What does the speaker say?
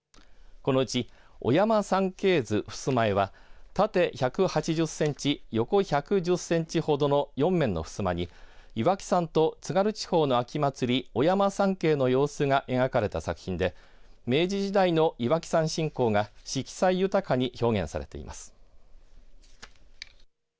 このうち、お山参詣図襖絵は縦１８０センチ横１１０センチほどの４面のふすまに岩木山と津軽地方の秋祭りお山参詣の様子が描かれた作品で明治時代の岩木山信仰が色彩豊かに表現されています。